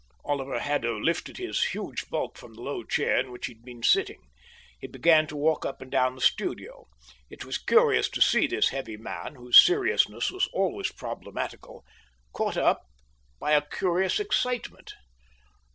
Oliver Haddo lifted his huge bulk from the low chair in which he had been sitting. He began to walk up and down the studio. It was curious to see this heavy man, whose seriousness was always problematical, caught up by a curious excitement.